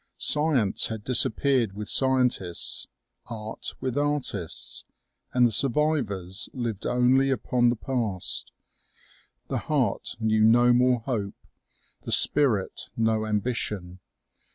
Science had disappeared with scientists, art with artists, and the survivors lived only upon the past. The heart knew no more hope, the spirit no ambition.